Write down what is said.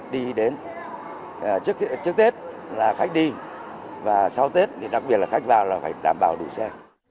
đi đến trước tết là khách đi và sau tết thì đặc biệt là khách vào là phải đảm bảo đủ xe